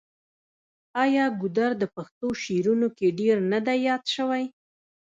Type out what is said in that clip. آیا ګودر د پښتو شعرونو کې ډیر نه دی یاد شوی؟